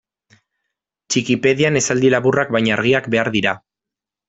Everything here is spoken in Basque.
Txikipedian esaldi laburrak baina argiak behar dira.